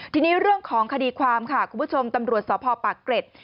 ทีนี้เรื่องของคดีความค่ะคุณผู้ชมตำรวจสพปากเกร็ด